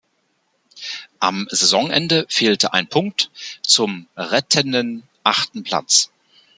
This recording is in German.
Am Saisonende fehlte ein Punkt zum rettenden achten Platz.